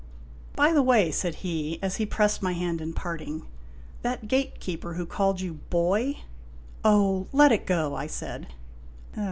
" By the way," said he, as he pressed my hand in parting, " that gatekeeper who called you ' boy '"" Oh, let it go," I said.